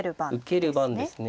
受ける番ですね。